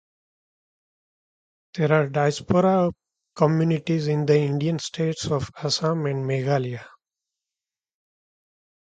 There are diaspora communities in the Indian states of Assam and Meghalaya.